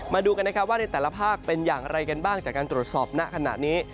มาดูกันนะครับว่าในแต่ละภาคเป็นอย่างไรกันบ้างจากการตรวจสอบณขณะนี้